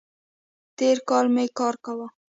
تېر کال می کار کاوو